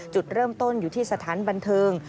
จุดเริ่มต้นอยู่ที่สถานบันเทิง